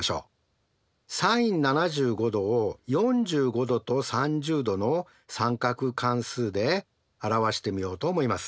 ｓｉｎ７５°を４５°と３０°の三角関数で表してみようと思います。